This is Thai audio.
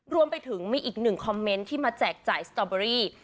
รวมไปถึงมีอีกหนึ่งคอมเมนต์ที่มาแจกจ่ายสตอเบอรี่